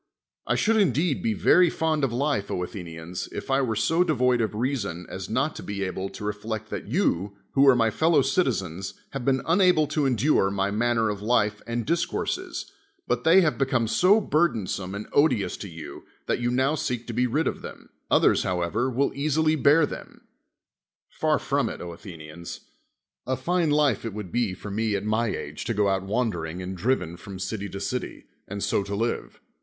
I should indeed be very fond of life, Athenians, if I were so devoid of reason as not to be able to reflect that you, w^ho are my fellow citizens, have been unable to en dure my manner of life and discourses, but they have become so burdensome and odious to you, that you now seek to be rid of them; othex's, however, will easily bear them ; far from it, Athenians. A fine life it would be for me at my age to go out wandering and driven from city to city, and so to live.